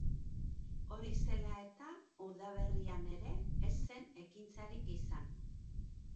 Hori zela eta, udaberrian ere ez zen ekintzarik izan.